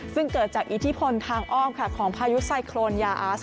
ซึ่งเกิดจากอิทธิพลทางอ้อมของพายุไซโครนยาอาส